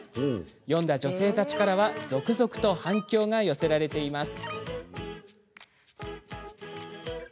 読んだ女性たちからは続々と反響が寄せられています。